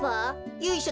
ゆいしょ